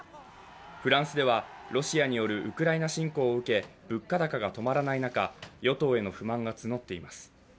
フランスではロシアによるウクライナ侵攻をウケ物価高が止まらない中、与党への不満が募っています。